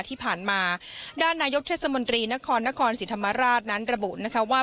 ที่ผ่านมาด้านนายกเทศมนตรีนครนครศรีธรรมราชนั้นระบุนะคะว่า